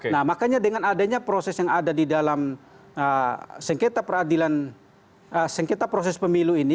nah makanya dengan adanya proses yang ada di dalam sengketa peradilan sengketa proses pemilu ini